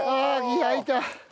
開いた！